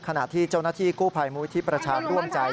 ขณะที่เจ้าหน้าที่กู้ไภมธิประชาดร่วมใจ